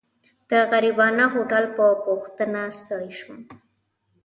د غريبانه هوټل په پوښتنه ستړی شوم.